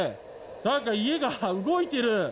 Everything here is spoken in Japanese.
何か家が動いてる！